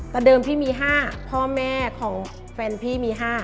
แต่เดิมพี่มี๕พ่อแม่ของแฟนพี่มี๕